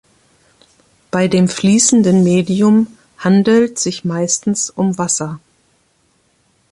Bei dem fließenden Medium handelt sich meistens um Wasser.